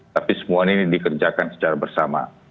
tapi semua ini dikerjakan secara bersama